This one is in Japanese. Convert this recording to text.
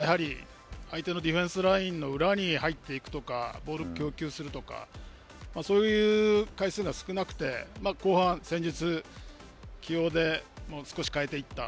そういう中、やはり相手のディフェンスラインの裏に入っていくとか、ボールを供給するとか、そういう回数が少なくて、後半、戦術、起用で、少し変えていった。